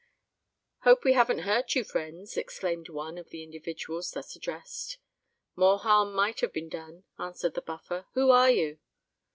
"Hope we haven't hurt you, friends," exclaimed one of the individuals thus addressed. "More harm might have been done," answered the Buffer. "Who are you?"